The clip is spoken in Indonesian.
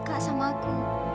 suka sama aku